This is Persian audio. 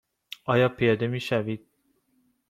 آیا پیاده می شوید؟